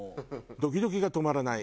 「ドキドキがとまらない！」